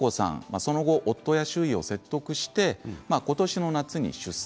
その後、夫や周囲を説得して今年の夏に出産。